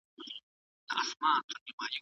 د فصح لیدلوري مختلف عوامل لري.